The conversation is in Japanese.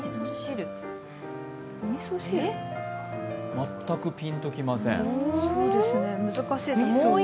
全くピンと来ません。